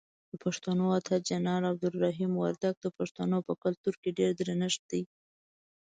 دپښتنو اتل جنرال عبدالرحیم وردک دپښتنو په کلتور کې ډیر درنښت دی.